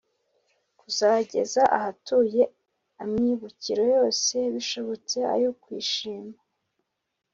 kuzageza ahetuye amibukiro yose bishobotse ayo kwishima